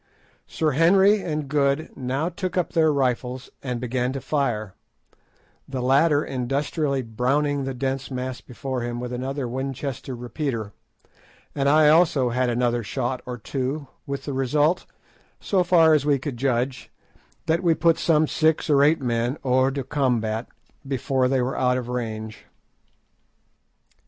Sir Henry and Good now took up their rifles and began to fire, the latter industriously "browning" the dense mass before him with another Winchester repeater, and I also had another shot or two, with the result, so far as we could judge, that we put some six or eight men hors de combat before they were out of range.